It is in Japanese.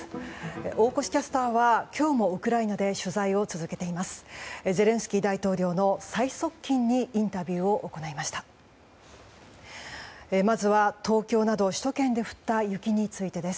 大越キャスターは今日もウクライナで取材を続けています。